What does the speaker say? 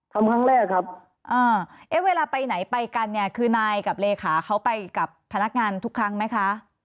ทำครั้งแรกครับอ่าเอ๊ะเวลาไปไหนไปกันเนี่ยคือนายกับเลขาเขาไปกับพนักงานทุกครั้งไหมคะ